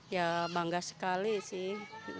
ya bangga sekali sih